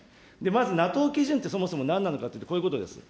まずＮＡＴＯ基準ってそもそもなんなのかというと、こういうことです。